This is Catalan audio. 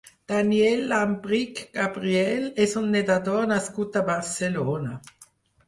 Daniel Llambrich Gabriel és un nedador nascut a Barcelona.